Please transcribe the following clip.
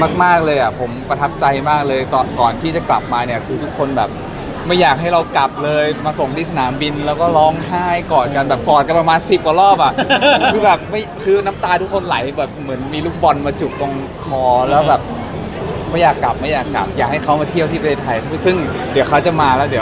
มากเลยอ่ะผมประทับใจมากเลยตอนก่อนที่จะกลับมาเนี่ยคือทุกคนแบบไม่อยากให้เรากลับเลยมาส่งที่สนามบินแล้วก็ร้องไห้กอดกันแบบกอดกันประมาณสิบกว่ารอบอ่ะคือแบบไม่คือน้ำตาทุกคนไหลแบบเหมือนมีลูกบอลมาจุกตรงคอแล้วแบบไม่อยากกลับไม่อยากกลับอยากให้เขามาเที่ยวที่ประเทศไทยซึ่งเดี๋ยวเขาจะมาแล้วเดี๋ยว